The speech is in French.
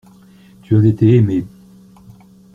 Tu as été aimé.